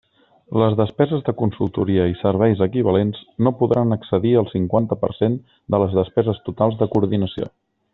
Les despeses de consultoria i serveis equivalents no podran excedir el cinquanta per cent de les despeses totals de coordinació.